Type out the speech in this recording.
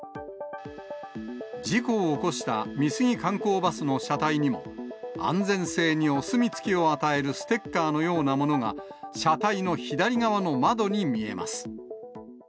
事故を起こした美杉観光バスの車体にも、安全性にお墨付きを与えるステッカーのようなものが、車体の左側の窓に見えます。